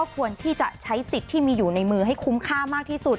ควรที่จะใช้สิทธิ์ที่มีอยู่ในมือให้คุ้มค่ามากที่สุด